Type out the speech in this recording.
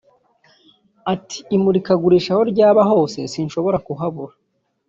Ati “Imurikagurisha aho ryaba hose sinshobora kuhabura